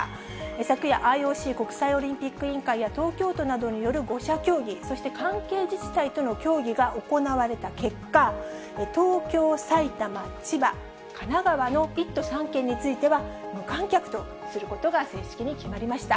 昨夜、ＩＯＣ・国際オリンピック委員会や東京都などによる５者協議、そして関係自治体との協議が行われた結果、東京、埼玉、千葉、神奈川の１都３県については、無観客とすることが正式に決まりました。